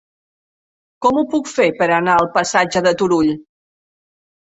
Com ho puc fer per anar al passatge de Turull?